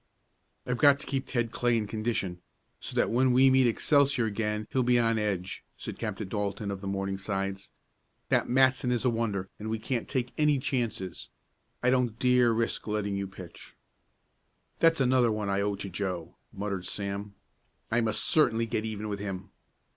"I've got to keep Ted Clay in condition, so that when we meet Excelsior again he'll be on edge," said Captain Dalton of the Morningsides. "That Matson is a wonder and we can't take any chances. I don't dare risk letting you pitch." "That's another one I owe to Joe!" muttered Sam. "I must certainly get even with him.